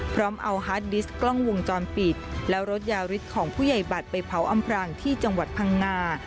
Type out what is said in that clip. พร้อมเอาฮาร์ดดิสต์กล้องวงจรปิดและรถยาฤทธิ์ของผู้ใหญ่บัตรไปเผาอำพรางที่จังหวัดพังงา